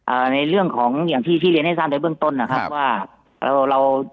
ในเรื่องของอย่างที่พี่เรียนให้ทราบในเบื้องต้นนะครับว่าเราเรา